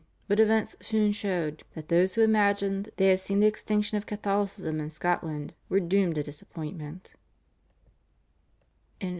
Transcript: But events soon showed that those who imagined they had seen the extinction of Catholicism in Scotland were doomed to disappointment.